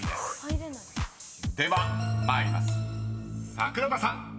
［桜田さん］